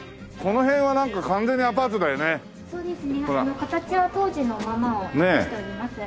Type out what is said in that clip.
形は当時のままを残しております。